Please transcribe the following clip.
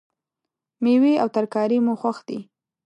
میوې او ترکاری مو خوښ دي